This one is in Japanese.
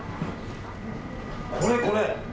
これ、これ！